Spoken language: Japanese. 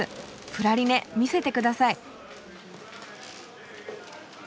プラリネ見せてください。